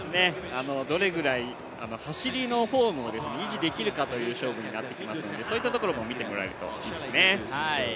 どれぐらい走りのフォームを維持できるかという勝負になってきますのでそういったところも見てもらえるといいですね。